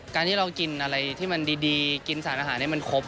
การที่เรากินอะไรที่มันดีกินสารอาหารให้มันครบ